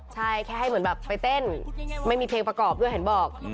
ใช่แค่ให้เหมือนแบบไปเต้นไม่มีเพลงประกอบด้วยเห็นบอก